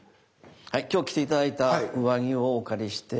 今日着て頂いた上着をお借りして。